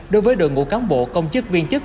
đối với đội ngũ cán bộ công chức viên chức